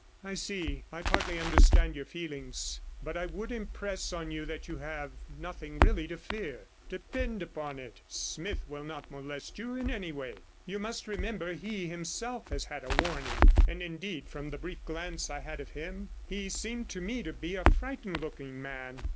'I see. I partly understand your feelings, but I would impress on you that you have nothing really to fear. Depend upon it, Smith will not molest you in any way. You must remember he himself has had a warning; and indeed, from the brief glance I had of him, he seemed to me to be a frightened looking man.